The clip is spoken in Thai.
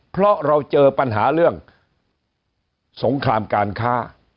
เพราะเราเจอปัญหาเรื่องสงครามการค้า